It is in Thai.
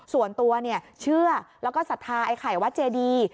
ส่วนตัวเชื่อแล้วก็ศรัทธาไอ้ไข่วัดเจดี